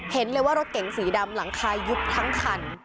เห็นเลยว่ารถเก๋งสีดำหลังคายุบทั้งคัน